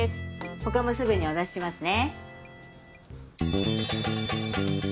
他もすぐにお出ししますね。